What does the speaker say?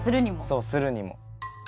そうするにも。